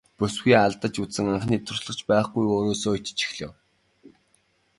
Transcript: Бүсгүй алдаж үзсэн анхны туршлага ч байхгүй өөрөөсөө ичиж эхлэв.